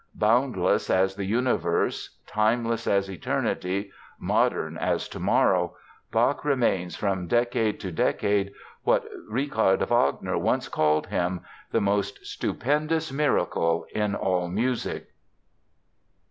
Boundless as the universe, timeless as eternity, modern as tomorrow, Bach remains from decade to decade what Richard Wagner once called him—"the most stupendous miracle in all music."